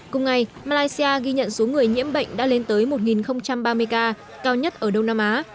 cùng ngày malaysia ghi nhận số người nhiễm bệnh đã lên tới một ba mươi ca cao nhất ở đông nam á